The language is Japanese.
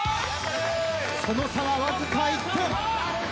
その差はわずか１点。